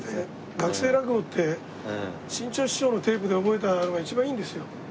学生落語って志ん朝師匠のテープで覚えたのが一番いいんですよ